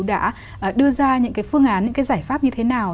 đã đưa ra những cái phương án những cái giải pháp như thế nào